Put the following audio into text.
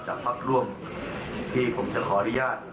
จากภักดิ์ร่วมที่ผมจะขออนุญาต